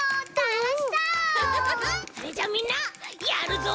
それじゃあみんなやるぞ！